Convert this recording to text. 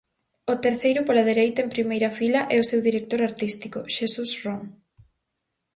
O terceiro pola dereita en primeira fila é o seu director artístico, Xesús Ron.